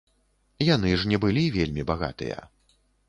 Яны ж не былі вельмі багатыя.